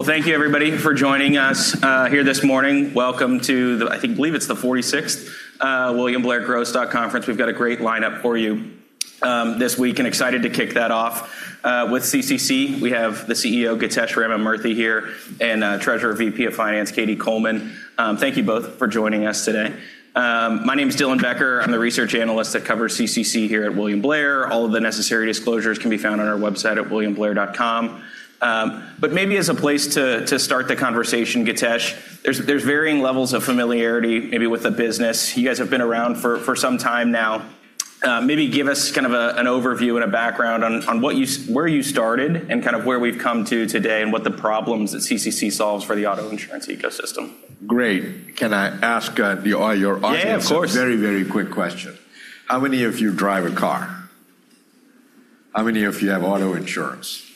Well, thank you everybody for joining us here this morning. Welcome to, I think, believe it's the 46th William Blair Growth Stock Conference. We've got a great lineup for you this week, excited to kick that off with CCC. We have the CEO, Githesh Ramamurthy, here, and Treasurer and VP of Finance, Katie Coleman. Thank you both for joining us today. My name's Dylan Becker. I'm the research analyst that covers CCC here at William Blair. All of the necessary disclosures can be found on our website at williamblair.com. Maybe as a place to start the conversation, Githesh, there's varying levels of familiarity maybe with the business. You guys have been around for some time now. Maybe give us kind of an overview and a background on where you started and kind of where we've come to today and what the problems that CCC solves for the auto insurance ecosystem? Great. Can I ask the audience Yeah, of course. a very, very quick question? How many of you drive a car? How many of you have auto insurance?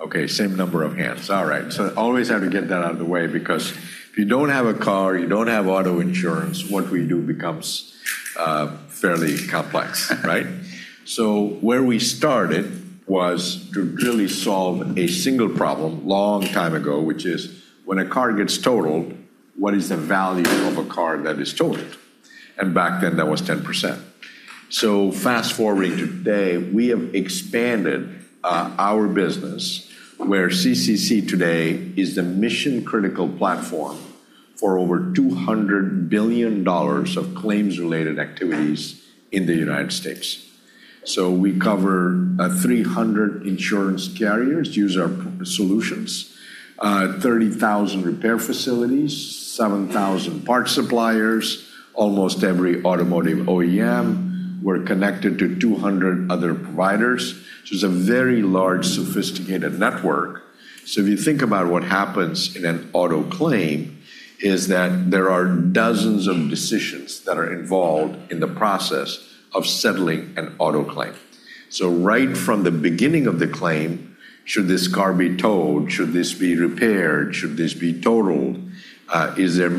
Okay, same number of hands. All right. Always have to get that out of the way, because if you don't have a car, you don't have auto insurance, what we do becomes fairly complex, right? Where we started was to really solve a single problem long time ago, which is when a car gets totaled, what is the value of a car that is totaled? Back then, that was 10%. Fast-forwarding today, we have expanded our business where CCC today is the mission-critical platform for over $200 billion of claims-related activities in the United States. We cover 300 insurance carriers use our solutions. 30,000 repair facilities, 7,000 parts suppliers, almost every automotive OEM. We're connected to 200 other providers, which is a very large, sophisticated network. If you think about what happens in an auto claim, is that there are dozens of decisions that are involved in the process of settling an auto claim. Right from the beginning of the claim, should this car be towed? Should this be repaired? Should this be totaled? Is there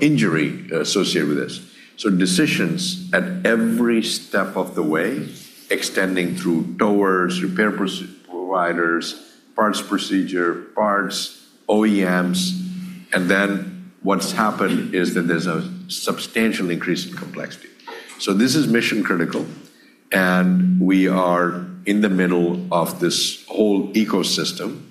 injury associated with this? Decisions at every step of the way, extending through towers, repair providers, parts procedure, parts, OEMs, and then what's happened is that there's a substantial increase in complexity. This is mission-critical, and we are in the middle of this whole ecosystem,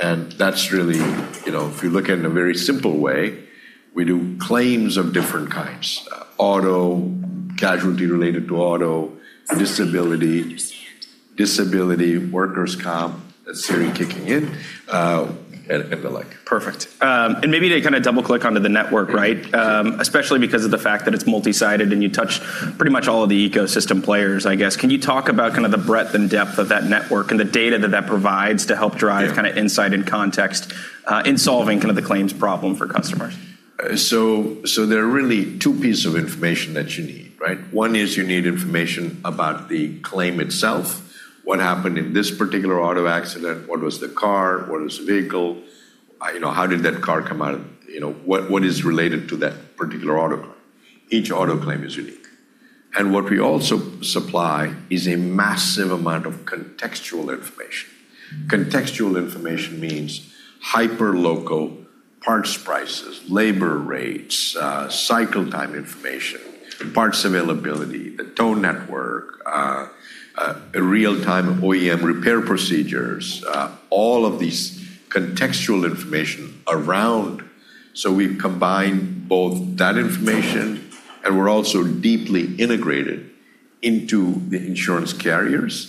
and that's really, if you look at it in a very simple way, we do claims of different kinds. Auto, casualty related to auto, disability, workers' comp. That's Siri kicking in, and the like. Perfect. Maybe to kind of double-click onto the network, right? Yeah. Especially because of the fact that it's multi-sided and you touch pretty much all of the ecosystem players, I guess. Can you talk about the breadth and depth of that network and the data that that provides to help? Yeah insight and context in solving the claims problem for customers? There are really two pieces of information that you need, right? One is you need information about the claim itself. What happened in this particular auto accident? What was the car? What was the vehicle? How did that car come out? What is related to that particular auto claim? Each auto claim is unique. What we also supply is a massive amount of contextual information. Contextual information means hyper-local parts prices, labor rates, cycle time information, parts availability, the tow network, real-time OEM repair procedures, all of these contextual information around. We've combined both that information, and we're also deeply integrated into the insurance carriers.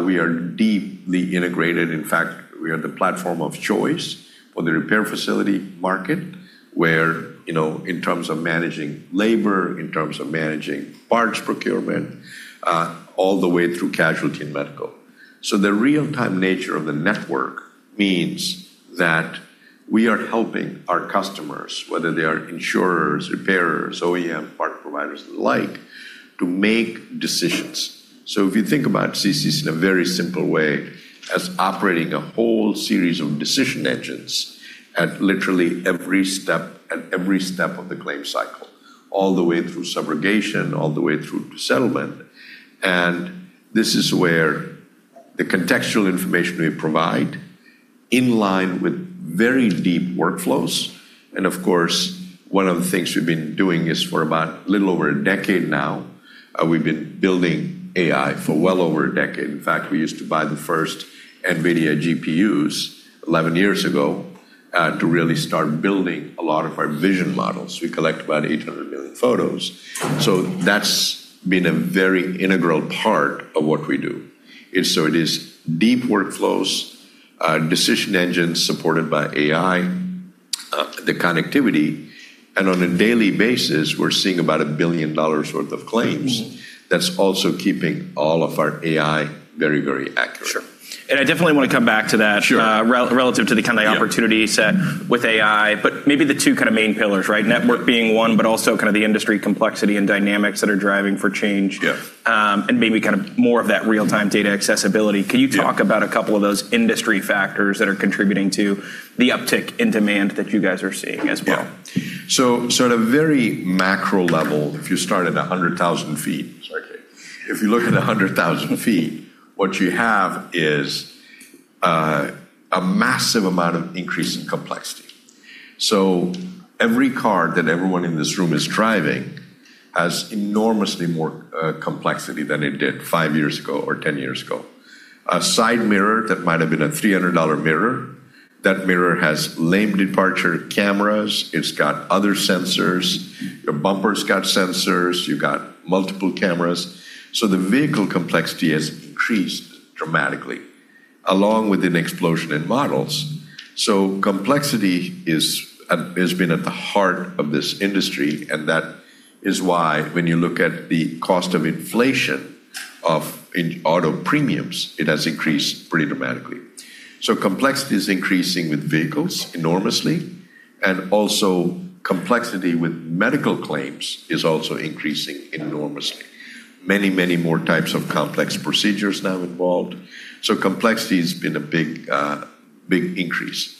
We are deeply integrated. In fact, we are the platform of choice for the repair facility market, where in terms of managing labor, in terms of managing parts procurement, all the way through casualty and medical. The real-time nature of the network means that we are helping our customers, whether they are insurers, repairers, OEM part providers, and the like, to make decisions. If you think about CCC in a very simple way as operating a whole series of decision engines at literally every step of the claim cycle, all the way through subrogation, all the way through to settlement. This is where the contextual information we provide in line with very deep workflows. Of course, one of the things we've been doing is for about a little over a decade now, we've been building AI for well over a decade. In fact, we used to buy the first NVIDIA GPUs 11 years ago, to really start building a lot of our vision models. We collect about 800 million photos. That's been a very integral part of what we do. It is deep workflows, decision engines supported by AI, the connectivity, and on a daily basis, we're seeing about $1 billion worth of claims that's also keeping all of our AI very accurate. Sure. I definitely want to come back to that. Sure relative to the kind of opportunity set with AI, but maybe the two main pillars, right? Network being one, but also the industry complexity and dynamics that are driving for change. Yeah. Maybe more of that real-time data accessibility. Yeah. Can you talk about a couple of those industry factors that are contributing to the uptick in demand that you guys are seeing as well? Yeah. At a very macro level, if you look at 100,000 ft, what you have is a massive amount of increase in complexity. Every car that everyone in this room is driving has enormously more complexity than it did five years ago or 10 years ago. A side mirror that might have been a $300 mirror, that mirror has lane departure cameras. It's got other sensors. Your bumper's got sensors. You've got multiple cameras. The vehicle complexity has increased dramatically along with an explosion in models. Complexity has been at the heart of this industry, and that is why when you look at the cost of inflation of auto premiums, it has increased pretty dramatically. Complexity is increasing with vehicles enormously, and also complexity with medical claims is also increasing enormously. Many more types of complex procedures now involved. Complexity has been a big increase.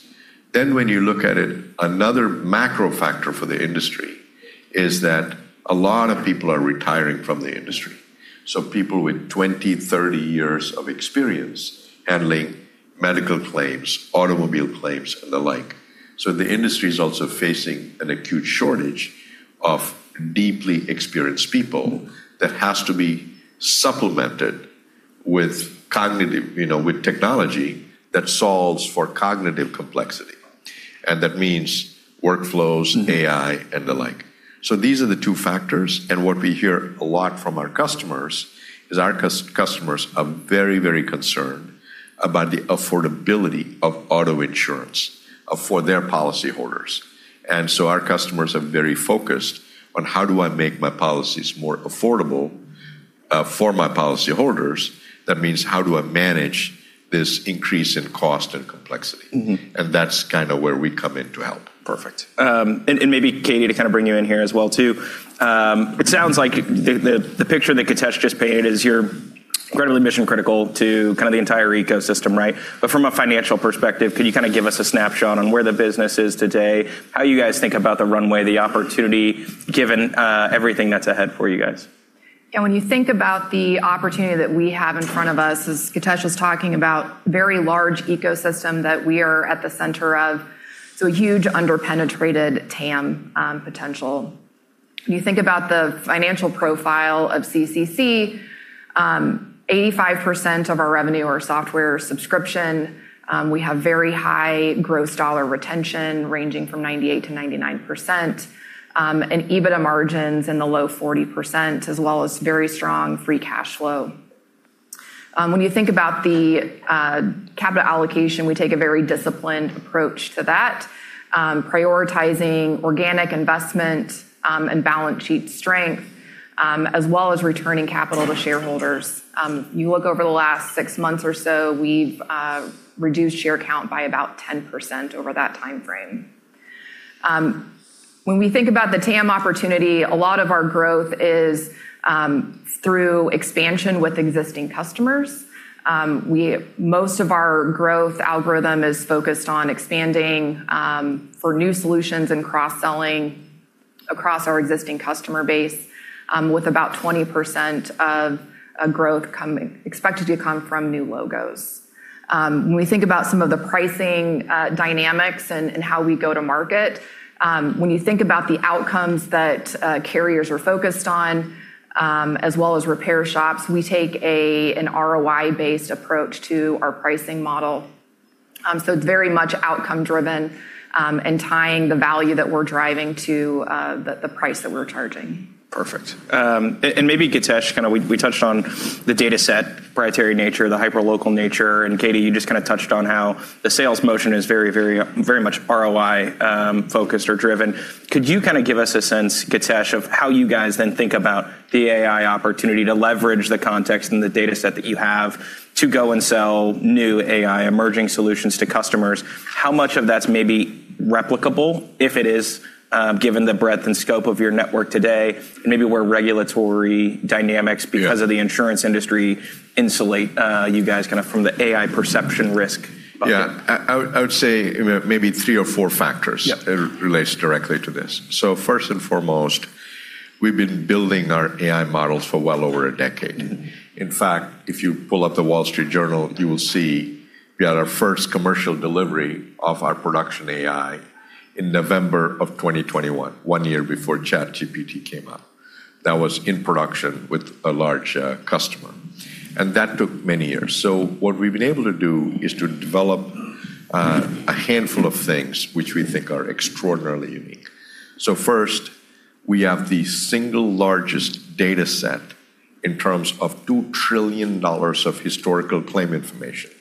When you look at it, another macro factor for the industry is that a lot of people are retiring from the industry, people with 20, 30 years of experience handling medical claims, automobile claims, and the like. The industry is also facing an acute shortage of deeply experienced people that has to be supplemented with technology that solves for cognitive complexity. That means workflows, AI, and the like. These are the two factors. What we hear a lot from our customers is our customers are very concerned about the affordability of auto insurance for their policyholders. Our customers are very focused on how do I make my policies more affordable for my policyholders. That means how do I manage this increase in cost and complexity? That's kind of where we come in to help. Perfect. Maybe, Katie, to kind of bring you in here as well too. It sounds like the picture that Githesh just painted is you're incredibly mission-critical to the entire ecosystem, right? From a financial perspective, could you give us a snapshot on where the business is today, how you guys think about the runway, the opportunity, given everything that's ahead for you guys? When you think about the opportunity that we have in front of us, as Githesh was talking about, very large ecosystem that we are at the center of. A huge under-penetrated TAM potential. You think about the financial profile of CCC, 85% of our revenue are software subscription. We have very high gross dollar retention ranging from 98% to 99%, and EBITDA margins in the low 40%, as well as very strong free cash flow. When you think about the capital allocation, we take a very disciplined approach to that, prioritizing organic investment and balance sheet strength, as well as returning capital to shareholders. You look over the last six months or so, we've reduced share count by about 10% over that timeframe. When we think about the TAM opportunity, a lot of our growth is through expansion with existing customers. Most of our growth algorithm is focused on expanding for new solutions and cross-selling across our existing customer base, with about 20% of growth expected to come from new logos. When we think about some of the pricing dynamics and how we go to market, when you think about the outcomes that carriers are focused on, as well as repair shops, we take an ROI-based approach to our pricing model. It's very much outcome driven and tying the value that we're driving to the price that we're charging. Perfect. Maybe, Githesh, we touched on the data set, proprietary nature, the hyperlocal nature, and Katie, you just touched on how the sales motion is very much ROI-focused or driven. Could you give us a sense, Githesh, of how you guys then think about the AI opportunity to leverage the context and the data set that you have to go and sell new AI emerging solutions to customers? How much of that's maybe replicable, if it is, given the breadth and scope of your network today? Maybe where regulatory dynamics. Yeah because of the insurance industry insulate you guys from the AI perception risk bucket? Yeah. I would say maybe three or four factors. Yep relates directly to this. First and foremost, we've been building our AI models for well over a decade. In fact, if you pull up The Wall Street Journal, you will see we had our first commercial delivery of our production AI in November of 2021, one year before ChatGPT came out. That was in production with a large customer. That took many years. What we've been able to do is to develop a handful of things which we think are extraordinarily unique. First, we have the single largest data set in terms of $2 trillion of historical claim information.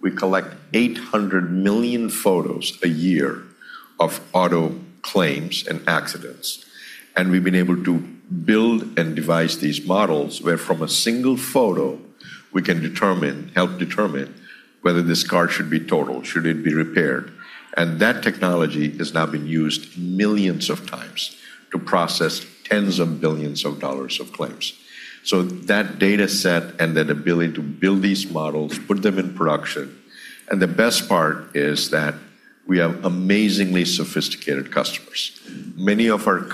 We collect 800 million photos a year of auto claims and accidents. We've been able to build and devise these models where from a single photo, we can help determine whether this car should be totaled, should it be repaired. That technology has now been used millions of times to process tens of billions of dollars of claims. That data set and that ability to build these models, put them in production. The best part is that we have amazingly sophisticated customers. Many of our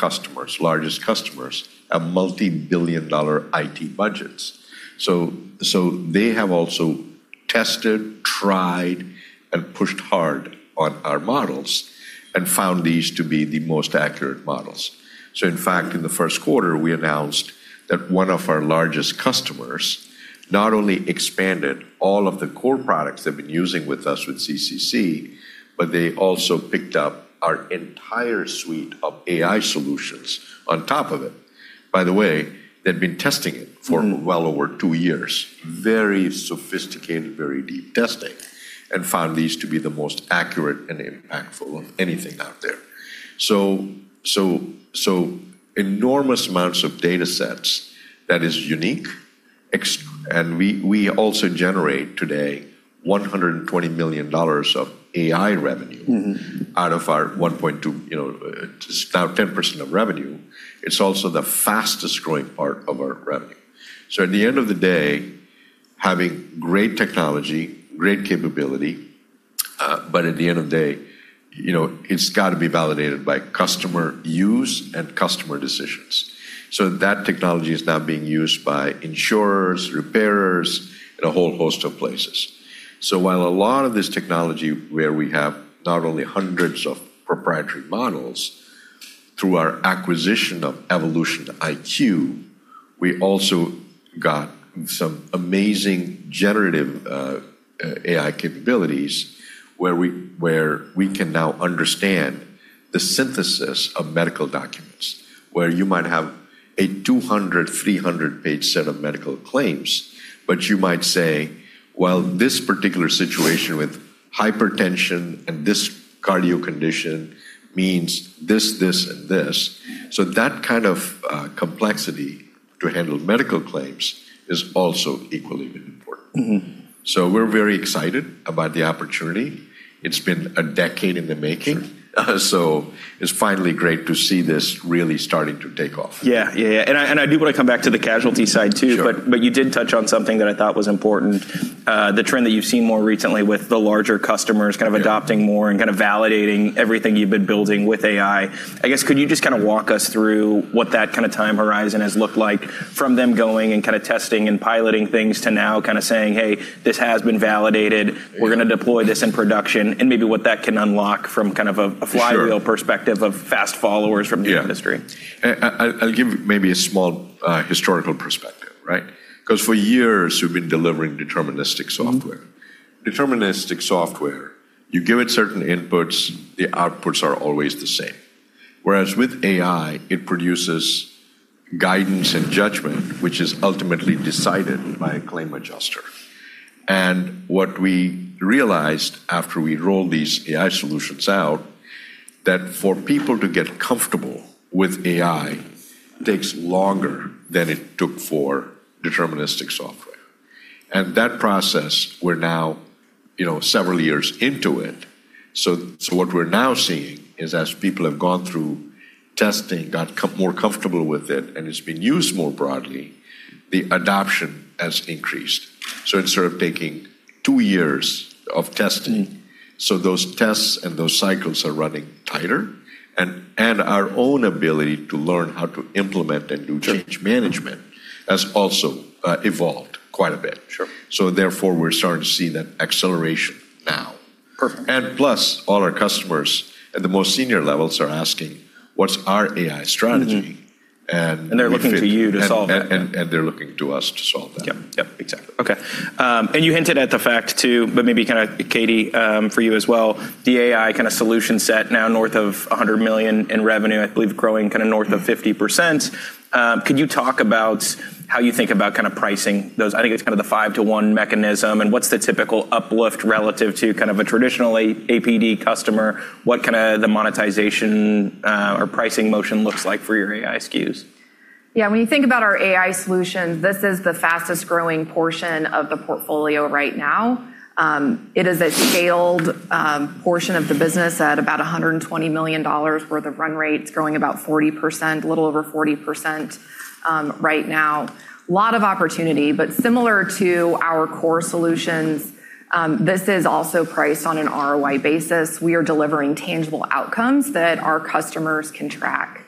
largest customers have multi-billion dollar IT budgets. They have also tested, tried, and pushed hard on our models and found these to be the most accurate models. In fact, in the first quarter, we announced that one of our largest customers not only expanded all of the core products they've been using with us with CCC, but they also picked up our entire suite of AI solutions on top of it. By the way, they'd been testing it for well over two years, very sophisticated, very deep testing, and found these to be the most accurate and impactful of anything out there. Enormous amounts of data sets that is unique. We also generate today $120 million of AI revenue out of our $1.2 billion, it's now 10% of revenue. It's also the fastest-growing part of our revenue. At the end of the day, having great technology, great capability, but at the end of the day, it's got to be validated by customer use and customer decisions. That technology is now being used by insurers, repairers, and a whole host of places. While a lot of this technology where we have not only hundreds of proprietary models, through our acquisition of EvolutionIQ, we also got some amazing generative AI capabilities where we can now understand the synthesis of medical documents. Where you might have a 200, 300-page set of medical claims, but you might say, "Well, this particular situation with hypertension and this cardio condition means this, and this." That kind of complexity to handle medical claims is also equally important. We're very excited about the opportunity. It's been a decade in the making. Sure. It's finally great to see this really starting to take off. Yeah. I do want to come back to the casualty side, too. Sure. You did touch on something that I thought was important. The trend that you've seen more recently with the larger customers kind of adopting more and kind of validating everything you've been building with AI. I guess, could you just kind of walk us through what that kind of time horizon has looked like from them going and kind of testing and piloting things to now kind of saying, "Hey, this has been validated. We're going to deploy this in production." Maybe what that can unlock from kind of a flywheel perspective of fast followers from the industry. Yeah. I'll give maybe a small historical perspective, right? Because for years, we've been delivering deterministic software. Deterministic software, you give it certain inputs, the outputs are always the same. Whereas with AI, it produces guidance and judgment, which is ultimately decided by a claim adjuster. What we realized after we rolled these AI solutions out, that for people to get comfortable with AI takes longer than it took for deterministic software. That process, we're now several years into it. What we're now seeing is as people have gone through testing, got more comfortable with it, and it's been used more broadly, the adoption has increased. Instead of taking two years of testing, so those tests and those cycles are running tighter, and our own ability to learn how to implement and do change management has also evolved quite a bit. Sure. Therefore, we're starting to see that acceleration now. Perfect. Plus, all our customers at the most senior levels are asking, "What's our AI strategy? They're looking to you to solve that now. They're looking to us to solve that. Yep. Exactly. Okay. You hinted at the fact, too, but maybe kind of Katie, for you as well, the AI kind of solution set now north of $100 million in revenue, I believe growing kind of north of 50%. Could you talk about how you think about pricing those? I think it's kind of the five to one mechanism, and what's the typical uplift relative to kind of a traditional APD customer? What kind of the monetization or pricing motion looks like for your AI SKUs? Yeah, when you think about our AI solutions, this is the fastest-growing portion of the portfolio right now. It is a scaled portion of the business at about $120 million worth of run rates, growing about 40%, a little over 40% right now. A lot of opportunity. Similar to our core solutions, this is also priced on an ROI basis. We are delivering tangible outcomes that our customers can track.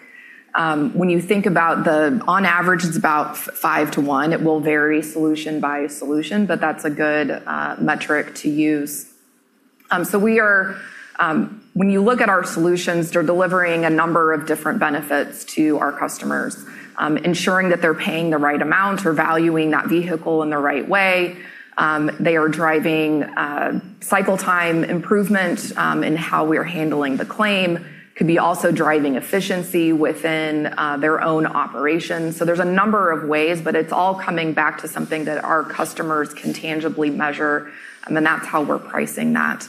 When you think about On average, it's about five to one. It will vary solution by solution, but that's a good metric to use. When you look at our solutions, they're delivering a number of different benefits to our customers, ensuring that they're paying the right amount or valuing that vehicle in the right way. They are driving cycle time improvement in how we are handling the claim, could be also driving efficiency within their own operations. There's a number of ways, but it's all coming back to something that our customers can tangibly measure, and then that's how we're pricing that.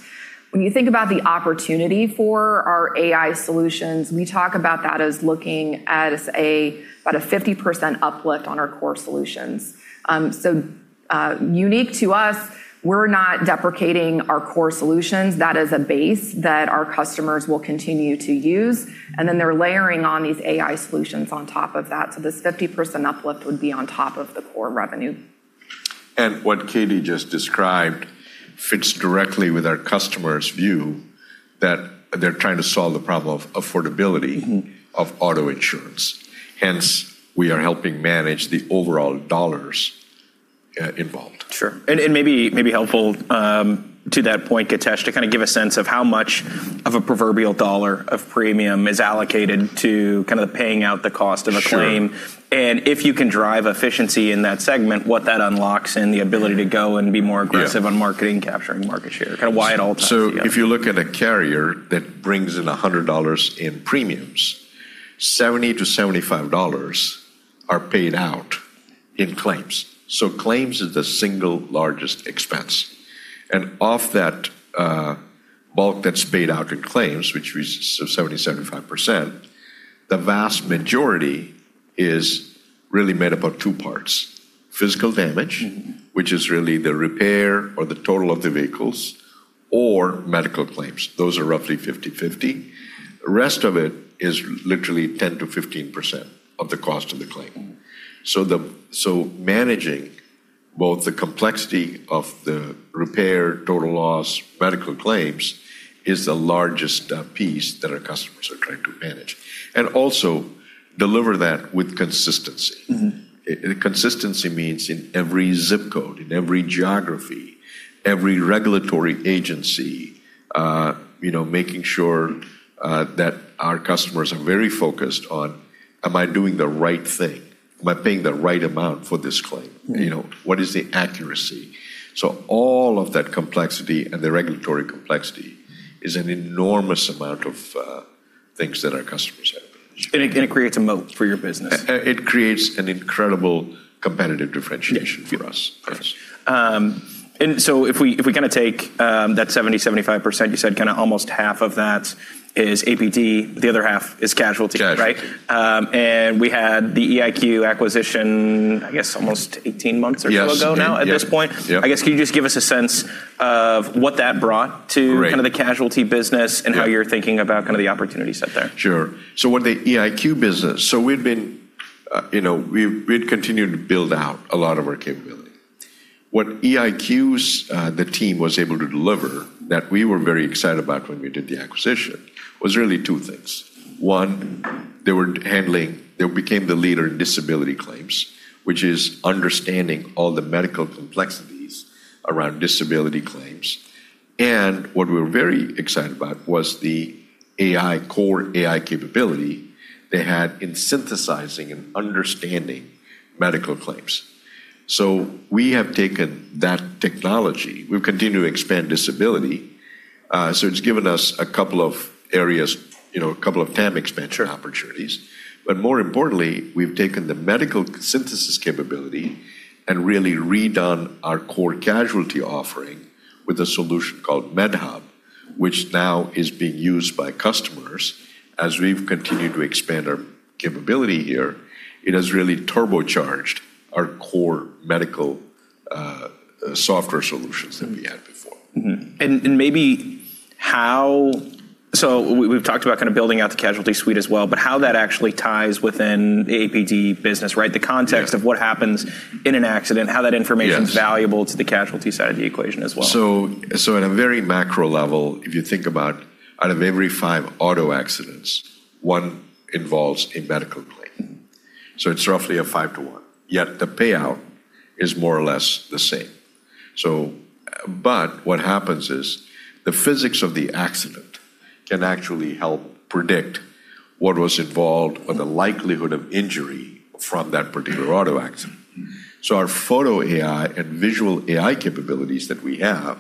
When you think about the opportunity for our AI solutions, we talk about that as looking at about a 50% uplift on our core solutions. Unique to us, we're not deprecating our core solutions. That is a base that our customers will continue to use, and then they're layering on these AI solutions on top of that. This 50% uplift would be on top of the core revenue. What Katie just described fits directly with our customer's view that they're trying to solve the problem of affordability of auto insurance. We are helping manage the overall dollars involved. Sure. Maybe helpful to that point, Githesh, to give a sense of how much of a proverbial $ of premium is allocated to the paying out the cost of a claim. Sure. If you can drive efficiency in that segment, what that unlocks and the ability to go and be more aggressive. Yeah on marketing, capturing market share, why at all times? Yeah. If you look at a carrier that brings in $100 in premiums, $70-$75 are paid out in claims. Claims is the single largest expense. Of that bulk that's paid out in claims, which is 70%-75%, the vast majority is really made up of two parts. Physical damage, which is really the repair or the total of the vehicles, or medical claims. Those are roughly 50/50. The rest of it is literally 10%-15% of the cost of the claim. Managing both the complexity of the repair, total loss, medical claims is the largest piece that our customers are trying to manage. Also deliver that with consistency. Consistency means in every zip code, in every geography, every regulatory agency, making sure that our customers are very focused on, am I doing the right thing? Am I paying the right amount for this claim? What is the accuracy? All of that complexity and the regulatory complexity is an enormous amount of things that our customers have. It creates a moat for your business. It creates an incredible competitive differentiation for us. Yes. If we take that 70%-75%, you said almost half of that is APD, the other half is casualty. Casualty. Right? We had the EIQ acquisition, I guess almost 18 months or so ago now at this point. Yes. I guess, can you just give us a sense of what that brought to? Great the casualty business and how you're thinking about the opportunity set there? Sure. With the EIQ business, we'd continued to build out a lot of our capability. What EIQ's, the team was able to deliver that we were very excited about when we did the acquisition was really two things. One, they became the leader in disability claims, which is understanding all the medical complexities around disability claims. What we were very excited about was the core AI capability they had in synthesizing and understanding medical claims. We have taken that technology. We've continued to expand disability. It's given us a couple of areas, a couple of TAM expansion opportunities. More importantly, we've taken the medical synthesis capability and really redone our core casualty offering with a solution called Medhub, which now is being used by customers as we've continued to expand our capability here. It has really turbocharged our core medical software solutions that we had before. We've talked about building out the casualty suite as well, but how that actually ties within the APD business, right? Yeah of what happens in an accident, how that information- Yes is valuable to the casualty side of the equation as well. At a very macro level, if you think about out of every five auto accidents, one involves a medical claim. It's roughly a five to one, yet the payout is more or less the same. What happens is the physics of the accident can actually help predict what was involved or the likelihood of injury from that particular auto accident. Our photo AI and visual AI capabilities that we have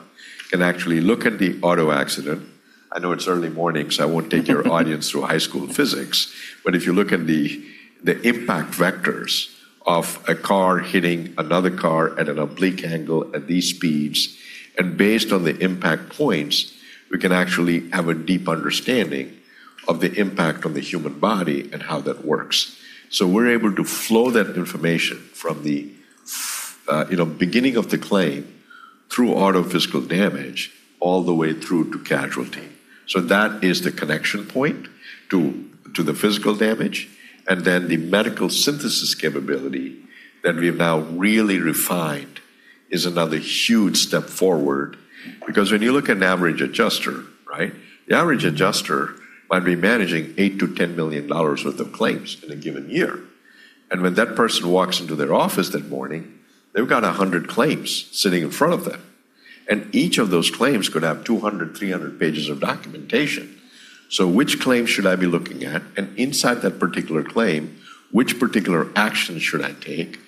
can actually look at the auto accident. I know it's early morning, so I won't take your audience through high school physics, but if you look at the impact vectors of a car hitting another car at an oblique angle at these speeds, and based on the impact points, we can actually have a deep understanding of the impact on the human body and how that works. We're able to flow that information from the beginning of the claim through auto physical damage, all the way through to casualty. That is the connection point to the physical damage, and then the medical synthesis capability that we've now really refined is another huge step forward. When you look at an average adjuster, right? The average adjuster might be managing $8 million-$10 million worth of claims in a given year. When that person walks into their office that morning, they've got 100 claims sitting in front of them, and each of those claims could have 200, 300 pages of documentation. Which claim should I be looking at? Inside that particular claim, which particular action should I take?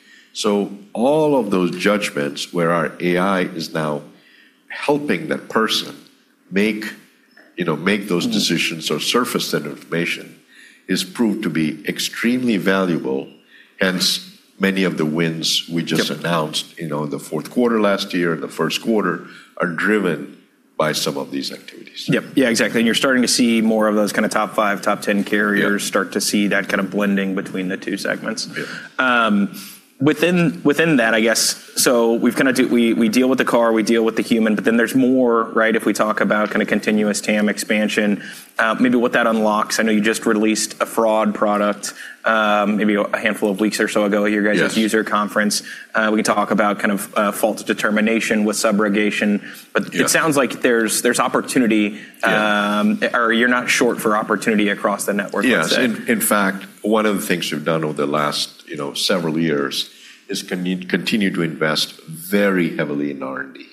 All of those judgments where our AI is now helping that person make those decisions or surface that information has proved to be extremely valuable, hence many of the wins we just announced. Yep the fourth quarter last year and the first quarter are driven by some of these activities. Yep. Yeah, exactly. You're starting to see more of those top five, top 10 carriers- Yeah start to see that blending between the two segments. Yeah. Within that, I guess, we deal with the car, we deal with the human, there's more, right? If we talk about continuous TAM expansion, maybe what that unlocks. I know you just released a fraud product, maybe a handful of weeks or so ago at your. Yes user conference. We can talk about fault determination with subrogation. It sounds like there's opportunity. Yeah You're not short for opportunity across the network, let's say. Yes. In fact, one of the things we've done over the last several years is continue to invest very heavily in R&D.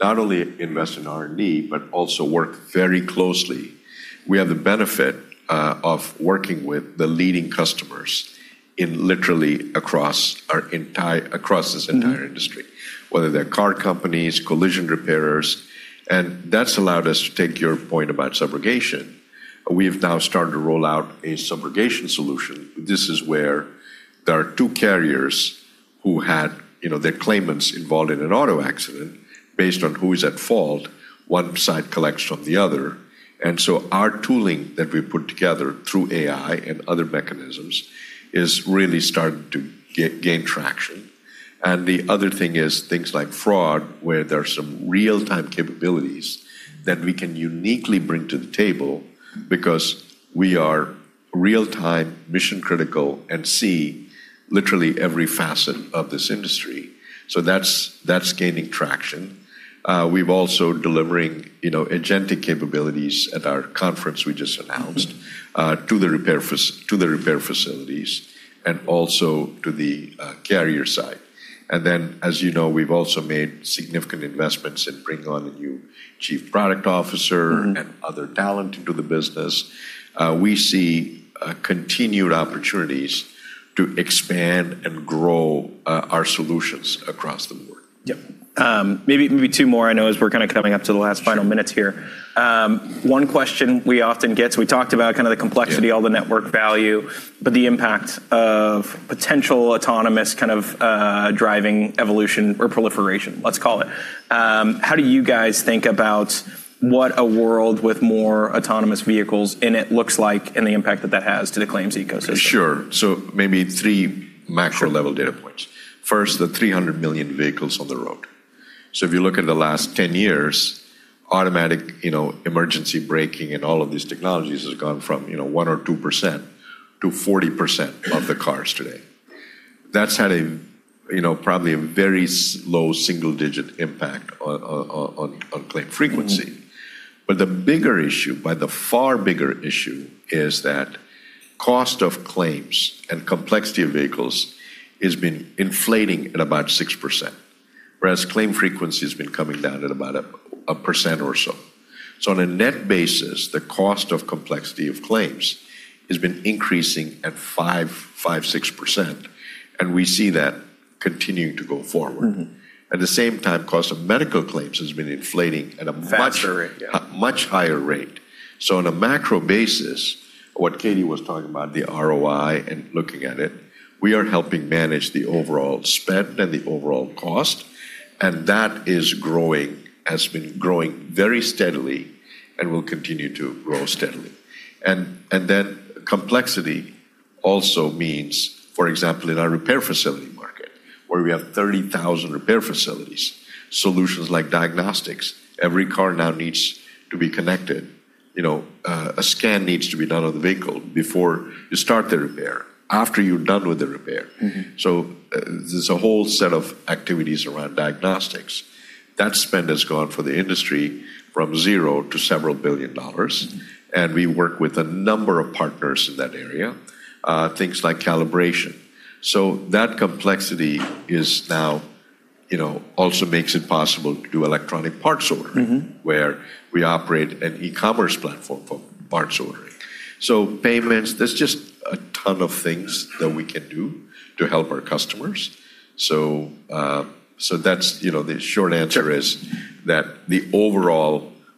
Not only invest in R&D, but also work very closely. We have the benefit of working with the leading customers in literally across this entire industry. Whether they're car companies, collision repairers, that's allowed us to take your point about subrogation. We've now started to roll out a subrogation solution. This is where there are two carriers who had their claimants involved in an auto accident based on who is at fault, one side collects from the other. Our tooling that we put together through AI and other mechanisms is really starting to gain traction. The other thing is things like fraud, where there are some real-time capabilities that we can uniquely bring to the table because we are real-time, mission-critical, and see literally every facet of this industry. That's gaining traction. We're also delivering agentic capabilities at our conference we just announced to the repair facilities and also to the carrier side. As you know, we've also made significant investments in bringing on a new chief product officer and other talent into the business. We see continued opportunities to expand and grow our solutions across the board. Yep. Maybe two more. I know as we're kind of coming up to the last final minutes here. One question we often get, so we talked about kind of the complexity, all the network value, but the impact of potential autonomous kind of driving evolution or proliferation, let's call it. How do you guys think about what a world with more autonomous vehicles in it looks like and the impact that that has to the claims ecosystem? Sure. Maybe three macro-level data points. First, the 300 million vehicles on the road. If you look at the last 10 years, automatic emergency braking and all of these technologies has gone from 1% or 2%-40% of the cars today. That's had probably a very low single-digit impact on claim frequency. The bigger issue, by the far bigger issue, is that cost of claims and complexity of vehicles has been inflating at about 6%, whereas claim frequency has been coming down at about 1% or so. On a net basis, the cost of complexity of claims has been increasing at 5%, 6%, and we see that continuing to go forward. At the same time, cost of medical claims has been inflating at a. Faster rate. Yeah. much higher rate. On a macro basis, what Katie was talking about, the ROI and looking at it, we are helping manage the overall spend and the overall cost, and that has been growing very steadily and will continue to grow steadily. Complexity also means, for example, in our repair facility market, where we have 30,000 repair facilities, solutions like diagnostics, every car now needs to be connected. A scan needs to be done on the vehicle before you start the repair, after you're done with the repair. There's a whole set of activities around diagnostics. That spend has gone for the industry from zero to several billion dollars, and we work with a number of partners in that area. Things like calibration. That complexity also makes it possible to do electronic parts ordering. where we operate an e-commerce platform for parts ordering. Payments, there's just a ton of things that we can do to help our customers. The short answer is that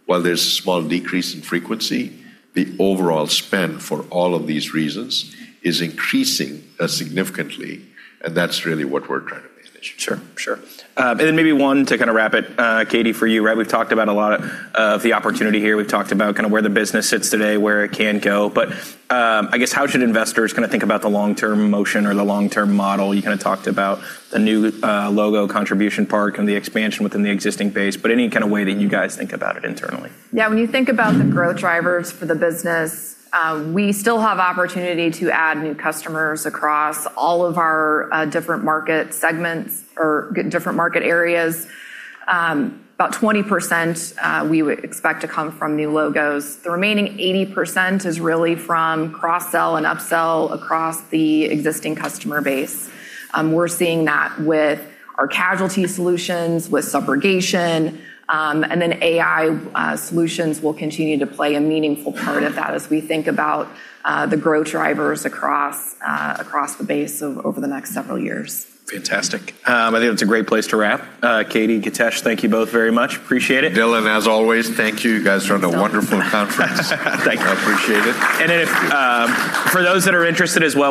while there's a small decrease in frequency, the overall spend for all of these reasons is increasing significantly, and that's really what we're trying to manage. Sure. Sure. Maybe one to kind of wrap it, Katie, for you, right? We've talked about a lot of the opportunity here. We've talked about kind of where the business sits today, where it can go. I guess how should investors kind of think about the long-term motion or the long-term model? You kind of talked about the new logo contribution part and the expansion within the existing base, but any kind of way that you guys think about it internally. Yeah, when you think about the growth drivers for the business, we still have opportunity to add new customers across all of our different market segments or different market areas. About 20% we would expect to come from new logos. The remaining 80% is really from cross-sell and up-sell across the existing customer base. We're seeing that with our casualty solutions, with subrogation, and then AI solutions will continue to play a meaningful part of that as we think about the growth drivers across the base over the next several years. Fantastic. I think that's a great place to wrap. Katie, Githesh, thank you both very much. Appreciate it. Dylan, as always, thank you. You guys run a wonderful conference. Thank you. Appreciate it. For those that are interested as well.